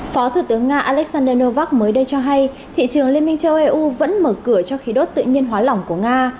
phó thủ tướng nga alexander novak mới đây cho hay thị trường liên minh châu eu vẫn mở cửa cho khí đốt tự nhiên hóa lỏng của nga